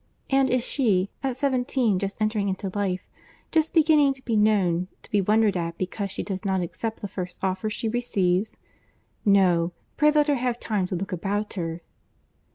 And is she, at seventeen, just entering into life, just beginning to be known, to be wondered at because she does not accept the first offer she receives? No—pray let her have time to look about her."